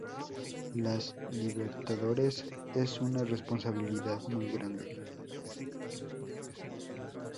La Libertadores es una responsabilidad muy grande.